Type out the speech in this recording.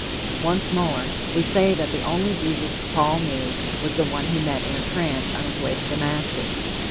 Once more; we say that the only Jesus Paul knew was the one he met in a trance on his way to Damascus.